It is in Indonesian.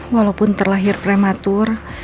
walaupun terlahir prematur